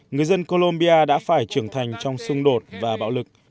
người dân colombia đã phải trưởng thành trong xung đột và bạo lực